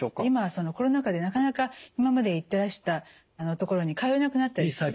今はコロナ禍でなかなか今まで行ってらした所に通えなくなったり。